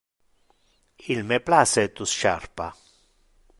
Il me place tu charpa.